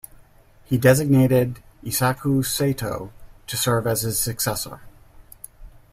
He designated Eisaku Sato to serve as his successor.